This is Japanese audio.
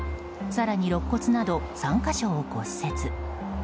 更に、ろっ骨など３か所を骨折。